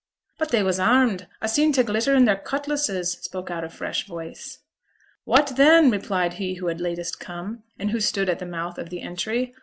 'But they was armed. A seen t' glitter on their cutlasses,' spoke out a fresh voice. 'What then!' replied he who had latest come, and who stood at the mouth of the entry.